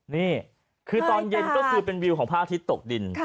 นี่คือตอนเย็นก็คือเป็นวิวของพระอาทิตย์ตกดิน